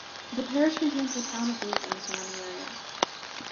The parish contains the town of Leek and the surrounding area.